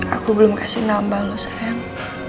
aku belum kasih nambah lu sayang